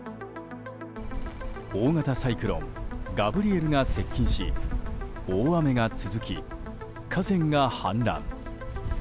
大型サイクロンガブリエルが接近し大雨が続き、河川が氾濫。